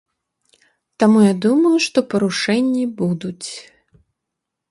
Таму я думаю, што парушэнні будуць.